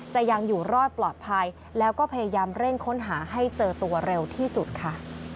ยังอยู่รอดปลอดภัยแล้วก็พยายามเร่งค้นหาให้เจอตัวเร็วที่สุดค่ะ